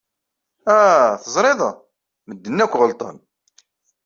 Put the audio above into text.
Ah, teẓriḍ? Medden akk ɣellḍen.